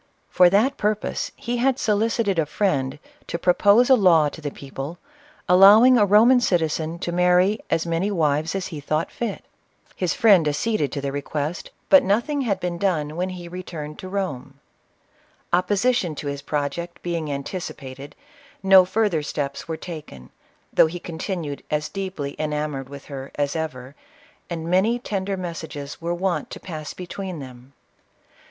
For that purpose, he had solicited a friend to propose'a law to the people, allowing a Roman citizen to marry as many wives as he thought fit. His friend acceded to the re I'LK.Ol'ATRA. quest, but nothing had been done when he returned to Rome. Opposition to his project being anticipated, no further steps were taken, though he continued as deep ly enamored with her as ever, and many tender mes sages were wont to pass between them.